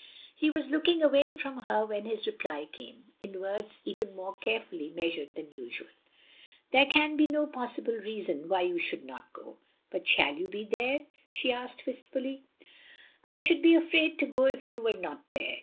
He was looking away from her when his reply came, in words even more carefully meastired than usual. "There can be no possible reason why you shotild not go. "" But shall you be there?'' she asked wistfully. OF GROSVENOR SQUARE 259 "I should be afraid to go if you were not there.